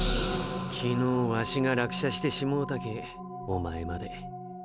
昨日ワシが落車してもうたけぇお前まで。